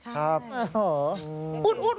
ใช่